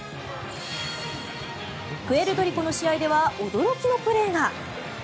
プエルトリコの試合では驚きのプレーが。